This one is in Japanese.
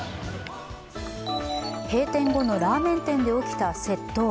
閉店後のラーメン店で起きた窃盗。